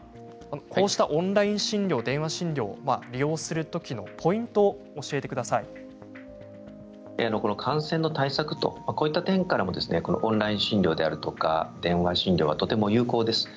こうした、オンライン診療電話診療を利用するときのポイントを感染の対策という点からもオンライン診療であるとか電話診療はとても有効です。